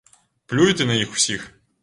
Плюй ты на іх усіх.